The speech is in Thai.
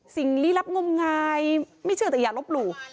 ลี้ลับงมงายไม่เชื่อแต่อย่าลบหลู่